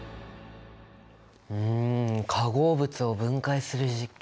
うん化合物を分解する実験